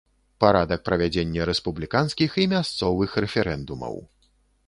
Парадак правядзення рэспубліканскіх і мясцовых рэферэндумаў.